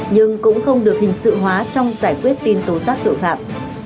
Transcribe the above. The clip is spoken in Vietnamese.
nhưng cũng không được hình sự hóa trong giải quyết tin tố giác tội phạm